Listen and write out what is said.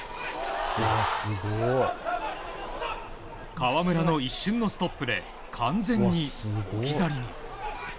川村の一瞬のストップで完全に置き去りに。